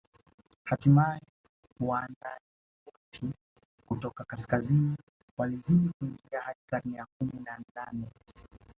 Hatimaye Waniloti kutoka kaskazini walizidi kuingia hadi karne ya kumi na nane